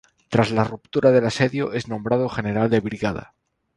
Tras la ruptura del asedio es nombrado general de brigada.